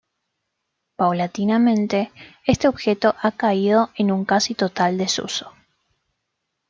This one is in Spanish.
Paulatinamente, este objeto ha caído en un casi total desuso.